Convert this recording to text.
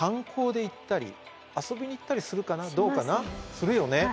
するよね。